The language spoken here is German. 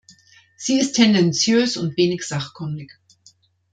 Sie ist tendenziös und wenig sachkundig.